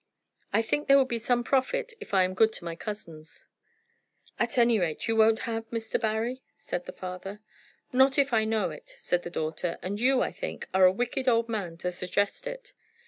I think there will be some profit if I am good to my cousins." "At any rate, you won't have Mr. Barry?" said the father. "Not if I know it," said the daughter; "and you, I think, are a wicked old man to suggest it."